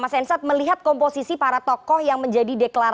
mas ensat melihat komposisi para tokoh yang menjadi deklarasi